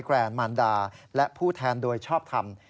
แกรนดมารดาและผู้แทนโดยชอบทำ